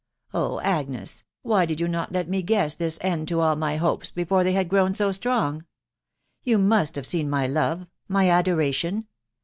Oh J A!gnes, why did you not let me guess this end to all my hopes before they had grown m .strong? You must have seen my love — my adoration..